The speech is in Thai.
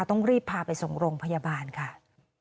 ต้องรีบพาไปส่งโรงพยาบาลค่ะ